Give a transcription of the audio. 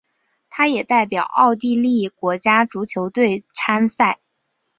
他也代表奥地利国家足球队参赛。